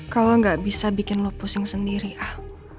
kalau gak bisa bikin lo pusing sendiri al